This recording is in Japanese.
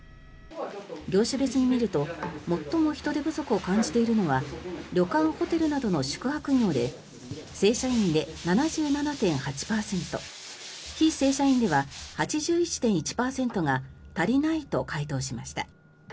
業種別に見ると最も人手不足を感じているのは旅館・ホテルなどの宿泊業で正社員で７７．８％非正社員では８１．１％が足りないと回答しました。